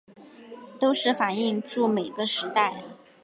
都是反映著每个时代